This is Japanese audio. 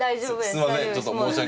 すいません。